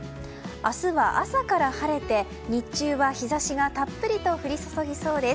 明日は朝から晴れて日中は日差しがたっぷりと降り注ぎそうです。